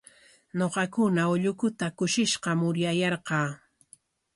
Ñuqakuna ullukuta kushishqam uryayarqaa.